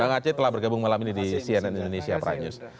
bang aceh telah bergabung malam ini di cnn indonesia